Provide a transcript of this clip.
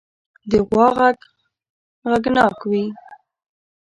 د غوا غږ غږناک وي.